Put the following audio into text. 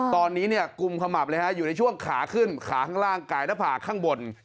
ตอนนี้เนี่ยกุมขมับเลยฮะอยู่ในช่วงขาขึ้นขาข้างล่างกายหน้าผากข้างบน